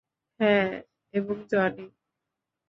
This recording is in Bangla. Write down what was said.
হ্যাঁ, এবং জনি।